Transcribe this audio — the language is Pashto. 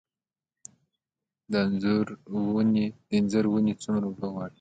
د انځر ونې څومره اوبه غواړي؟